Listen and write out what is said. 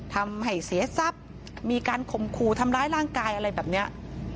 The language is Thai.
ทำให้เสียทรัพย์มีการข่มขู่ทำร้ายร่างกายอะไรแบบนี้